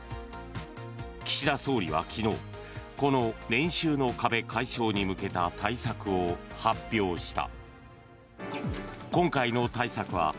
岸田総理は昨日この年収の壁解消に向けた対策を発表した。